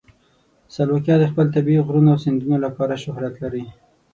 سلواکیا د خپل طبیعي غرونو او سیندونو لپاره شهرت لري.